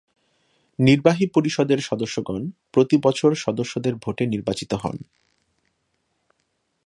নির্বাহী পরিষদের সদস্যগণ প্রতি বছর সদস্যদের ভোটে নির্বাচিত হন।